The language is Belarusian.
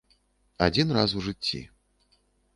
Адзін раз у жыцці.